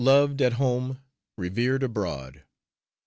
" loved at home, revered abroad.